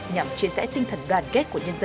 nhằm chia sẻ tinh thần đoàn kết của chúng ta